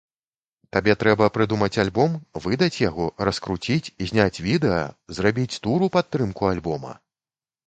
Табе трэба прыдумаць альбом, выдаць яго, раскруціць, зняць відэа, зрабіць тур у падтрымку альбома?